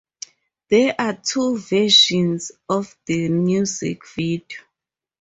There are two versions of the music video.